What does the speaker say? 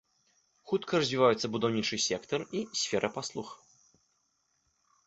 Хутка развіваюцца будаўнічы сектар і сфера паслуг.